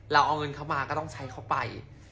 เอาเงินเขามาก็ต้องใช้เขาไป